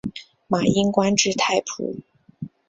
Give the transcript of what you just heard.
马英官至太仆。